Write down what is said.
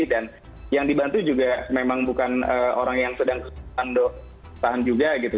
dan yang dibantu juga memang bukan orang yang sedang tahan juga gitu